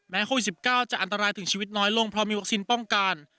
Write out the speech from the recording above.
โควิด๑๙จะอันตรายถึงชีวิตน้อยลงเพราะมีวัคซีนป้องกัน